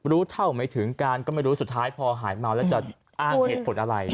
รู้เท่าไม่ถึงการก็ไม่รู้สุดท้ายพอหายเมาแล้วจะอ้างเหตุผลอะไร